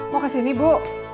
mau kesini bu